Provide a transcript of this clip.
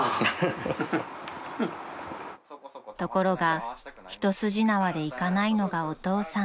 ［ところが一筋縄でいかないのがお父さん］